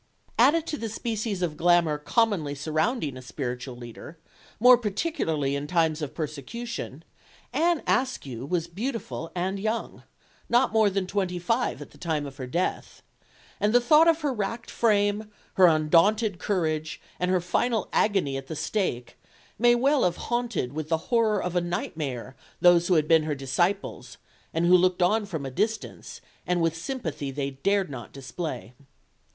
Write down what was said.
Added to the species of glamour commonly surrounding a spiritual leader, more particularly in times of persecution, Anne Askew was beautiful and young not more than twenty five at the time of her death and the thought of her racked frame, her undaunted courage, and her final agony at the stake, may well have haunted with the horror of a night mare those who had been her disciples, and who looked on from a distance, and with sympathy they dared not display.